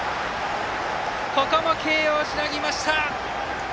ここも慶応、しのぎました。